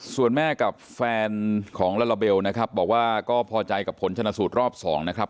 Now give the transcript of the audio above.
ส่วนแม่กับแฟนของลาลาเบลนะครับบอกว่าก็พอใจกับผลชนะสูตรรอบ๒นะครับ